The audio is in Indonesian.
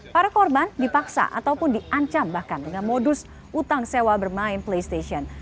para korban dipaksa ataupun diancam bahkan dengan modus utang sewa bermain playstation